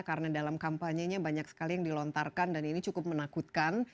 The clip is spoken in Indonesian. karena dalam kampanye nya banyak sekali yang dilontarkan dan ini cukup menakutkan